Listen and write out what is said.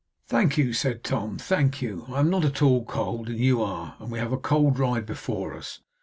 'Thank you,' said Tom, 'thank you. I am not at all cold, and you are; and we have a cold ride before us.